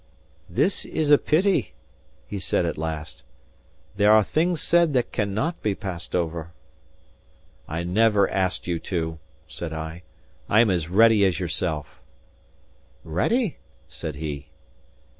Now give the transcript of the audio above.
"This is a pity," he said at last. "There are things said that cannot be passed over." "I never asked you to," said I. "I am as ready as yourself." "Ready?" said he.